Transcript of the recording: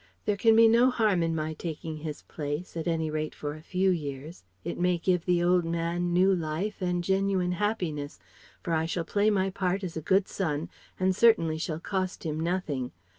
There can be no harm in my taking his place, at any rate for a few years: it may give the old man new life and genuine happiness, for I shall play my part as a good son, and certainly shall cost him nothing.